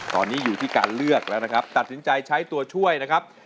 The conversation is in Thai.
ตอนนี้อยู่ที่การเลือกแล้วนะครับตัดสินใจใช้ตัวช่วยนะครับ